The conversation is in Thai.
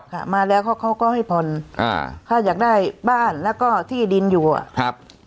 ค่ะมาแล้วเขาเขาก็ให้ผ่อนอ่าถ้าอยากได้บ้านแล้วก็ที่ดินอยู่อ่ะครับ